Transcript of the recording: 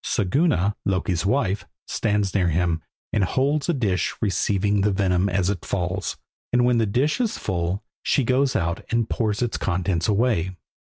Siguna, Loki's wife, stands near him, and holds a dish receiving the venom as it falls, and when the dish is full she goes out and pours its contents away.